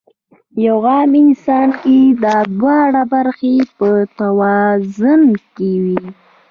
پۀ يو عام انسان کې دا دواړه برخې پۀ توازن کې وي -